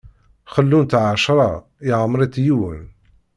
Xellun-tt ɛecṛa, yeɛmeṛ-itt yiwen.